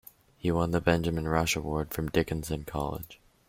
He won the Benjamin Rush Award from Dickinson College.